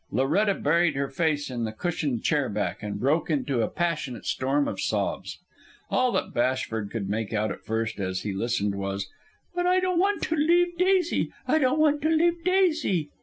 Loretta buried her face in the cushioned chair back, and broke into a passionate storm of sobs. All that Bashford could make out at first, as he listened, was: "But I don't want to leave Daisy! I don't want to leave Daisy!"